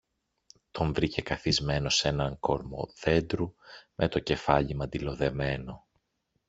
Τον βρήκε καθισμένο σ' έναν κορμό δέντρου με το κεφάλι μαντιλοδεμένο.